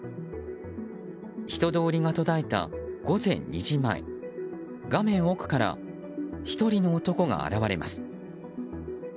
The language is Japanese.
人通りの途絶えた午前２時前画面奥から１人の男が現れます。